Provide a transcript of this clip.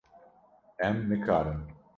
Em nikarin.